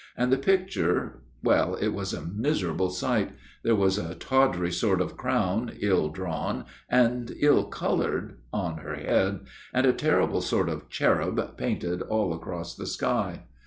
And the picture well, it was a miserable sight there was a tawdry sort of crown, ill drawn and ill coloured on her head, and a terrible sort of cherub painted all across the sky.